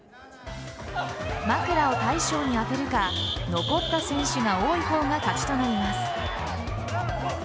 枕を大将に当てるか残った選手が多い方が勝ちとなります。